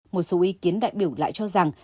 một số ý kiến đại biểu lại cho rằng